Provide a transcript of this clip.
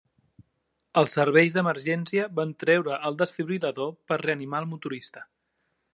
Els serveis d'emergència van treure el desfibril·lador per reanimar el motorista.